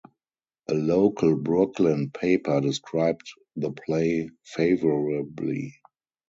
A local Brooklyn paper described the play favorably.